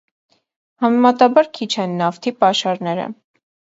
Համեմատաբար քիչ են նավթի պաշարները։